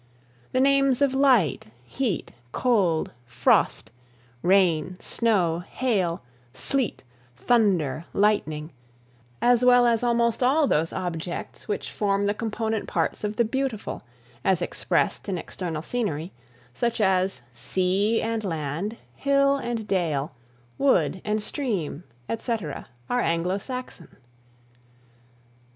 The names of light, heat, cold, frost, rain, snow, hail, sleet, thunder, lightning, as well as almost all those objects which form the component parts of the beautiful, as expressed in external scenery, such as sea and land, hill and dale, wood and stream, etc., are Anglo Saxon.